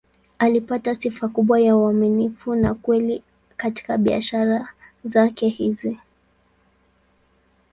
Alipata sifa kubwa ya uaminifu na ukweli katika biashara zake hizi.